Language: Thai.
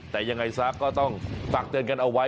แต่ยังไงซะก็ต้องฝากเตือนกันเอาไว้